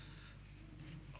tadi saya cuma ngajar